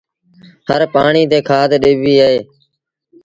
هر پآڻيٚ تي کآڌ ڏبيٚ اهي